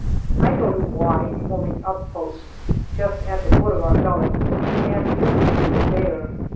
I go to " Y " forming up post, just at the foot of our gully, and view the scenes there.